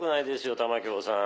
玉響さん。